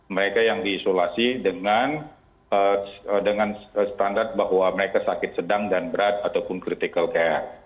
mereka yang diisolasi dengan standar bahwa mereka sakit sedang dan berat ataupun critical care